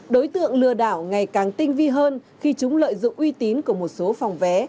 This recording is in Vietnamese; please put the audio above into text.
đối tượng lừa đảo ngày càng tinh vi hơn khi chúng lợi dụng uy tín của một số phòng vé